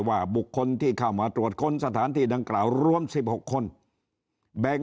ว่าบุคคลที่เข้ามาตรวจค้นสถานที่ดังกล่าวรวม๑๖คนแบ่ง